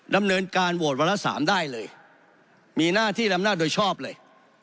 ดำเนินการโหวตวาระสามได้เลยมีหน้าที่ดำนาจโดยชอบเลย